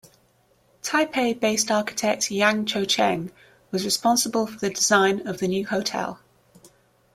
Taipei-based architect Yang Cho-Cheng was responsible for the design of the new hotel.